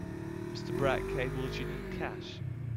Mr. Brad cables you need cash.